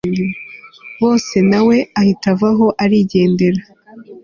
bose nawe ahita avaho arigendera